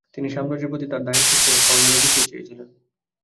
তিনি সাম্রাজ্যের প্রতি তার দায়িত্বের চেয়ে হরেম বেশি চেয়েছিলেন।